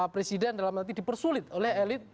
presiden dalam arti dipersulit oleh elit